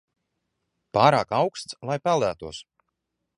Pārāk auksts, lai peldētos.